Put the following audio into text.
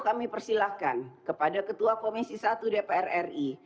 kami persilahkan kepada ketua komisi satu dpr ri